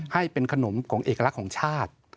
ให้เป็นขนมของเอกลักษณ์ของชาติ